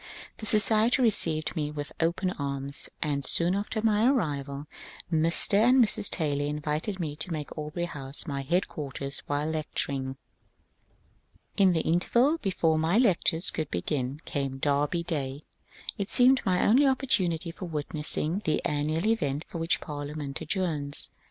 This society received me with open arms, and soon after my arrival Mr. and Mrs. Taylor invited me to make Aubrey House my headquarters while lecturing. In the interval before my lectures could begin came Derby Day. It seemed my only opportunity for witnessing the an nual event for which Parliament adjourns.